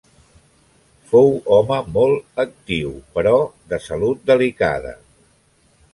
Fou home molt actiu, però de salut delicada.